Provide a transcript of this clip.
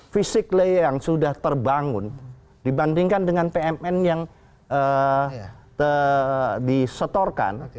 physically yang sudah terbangun dibandingkan dengan pmn yang disetorkan